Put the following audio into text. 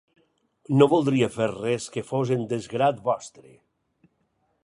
No voldria fer res que fos en desgrat vostre.